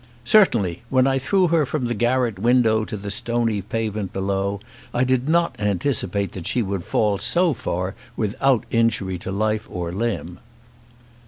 "Certainly, when I threw her from the garret window to the stony pavement below, I did not anticipate that she would fall so far without injury to life or limb."